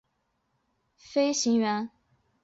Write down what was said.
成为日本帝国陆军航空队所属的飞行员。